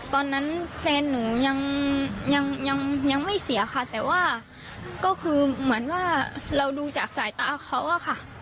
แฟนหนูยังยังไม่เสียค่ะแต่ว่าก็คือเหมือนว่าเราดูจากสายตาเขาอะค่ะ